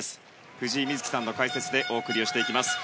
藤井瑞希さんの解説でお送りします。